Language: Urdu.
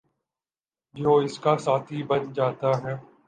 جو اس کا ساتھی بن جاتا ہے